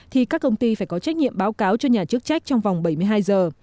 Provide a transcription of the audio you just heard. thì các công ty phải có trách nhiệm báo cáo cho nhà chức trách trong vòng bảy mươi hai giờ